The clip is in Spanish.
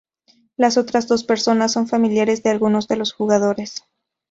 Las otras dos personas son familiares de algunos de los jugadores.